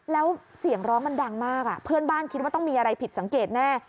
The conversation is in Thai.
แล้วเสียงร้องมันดังมากเพื่อนบ้านคิดว่าต้องมีอะไรผิดสังเกตแน่